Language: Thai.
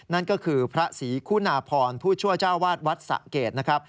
นั่นก็คือพระศรีคุณาพรผู้ช่วยเจ้าวาดวัดสะเกดนะครับ